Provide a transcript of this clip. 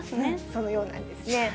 そのようなんですね。